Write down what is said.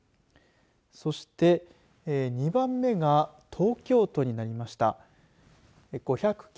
そして２番目が東京都になりました。